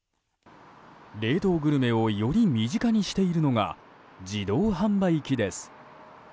冷凍グルメをより身近にしているのが自動販売機です。